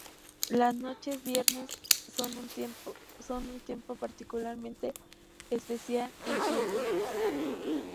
Las noches viernes son un tiempo particularmente especial en Hillel.